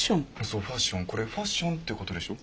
そうファッションこれファッションってことでしょ？